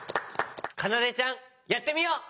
かなでちゃんやってみよう。